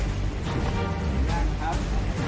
ครับ